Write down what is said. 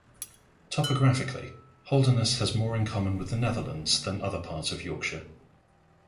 Topographically, Holderness has more in common with the Netherlands than other parts of Yorkshire.